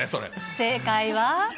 正解は。